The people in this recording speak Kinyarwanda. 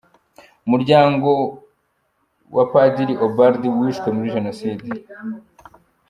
Umuryango ya Padiri Ubald wishwe muri Jenoside .